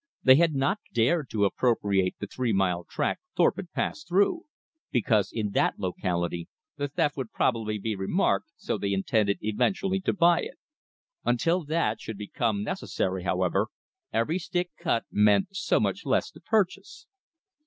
They had not dared to appropriate the three mile tract Thorpe had passed through, because in that locality the theft would probably be remarked, so they intended eventually to buy it. Until that should become necessary, however, every stick cut meant so much less to purchase.